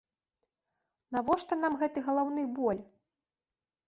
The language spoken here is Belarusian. Навошта нам гэты галаўны боль?!